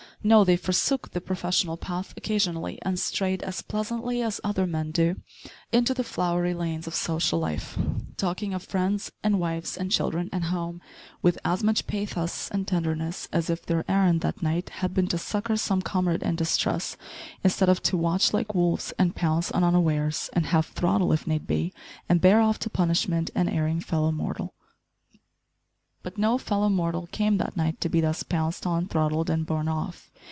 No, they forsook the professional path occasionally and strayed, as pleasantly as other men do, into the flowery lanes of social life talking of friends, and wives, and children, and home, with as much pathos and tenderness as if their errand that night had been to succour some comrade in distress, instead of to watch like wolves, and pounce on unawares, and half throttle if need be, and bear off to punishment, an erring fellow mortal. But no fellow mortal came that night to be thus pounced on, throttled, and borne off.